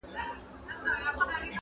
مخ يې واړاوه يو ځل د قاضي لور ته!!